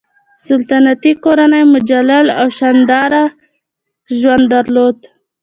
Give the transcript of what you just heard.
سلطنتي کورنۍ مجلل او شانداره ژوند درلود.